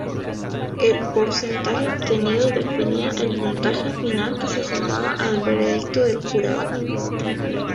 El porcentaje obtenido definía el puntaje final, que se sumaba al veredicto del jurado.